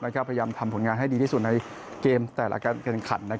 พยายามทำผลงานให้ดีที่สุดในเกมแต่ละการแข่งขัน